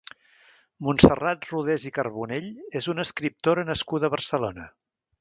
Montserrat Rodés i Carbonell és una escriptora nascuda a Barcelona.